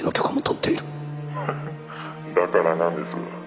だからなんです？」